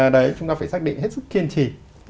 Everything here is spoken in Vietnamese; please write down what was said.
đấy chúng ta phải xác định hết sức kiên trì